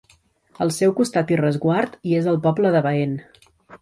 Al seu costat i resguard hi és el poble de Baén.